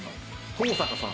東坂さん。